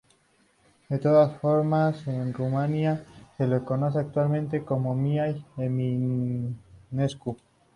De todas formas, en Rumanía se le conoce actualmente como Mihai Eminescu.